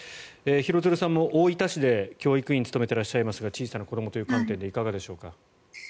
廣津留さんも大分市で教育委員を務めていらっしゃいますが小さな子どもという観点でいかがでしょう。